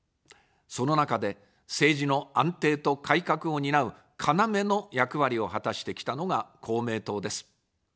その中で、政治の安定と改革を担う要の役割を果たしてきたのが公明党です。